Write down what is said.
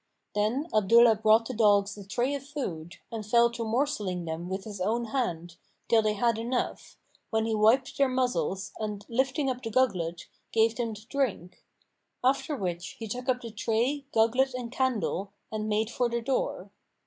Then Abdullah brought the dogs the tray of food and fell to morselling them with his own hand, till they had enough, when he wiped their muzzles and lifting up the gugglet, gave them to drink; after which he took up the tray, gugglet and candle and made for the door.